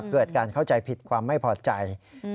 เกิดการเข้าใจผิดความไม่พอใจ